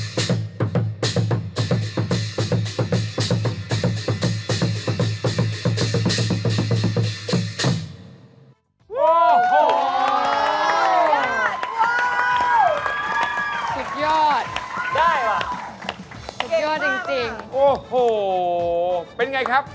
เย็น